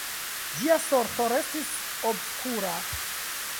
Ĝia sorto restis obskura.